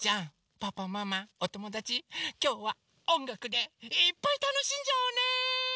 パパママおともだちきょうはおんがくでいっぱいたのしんじゃおうね！